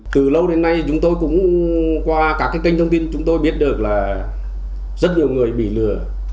từ lâu đến nay chúng tôi cũng qua các kênh thông tin chúng tôi biết được là rất nhiều người bị lừa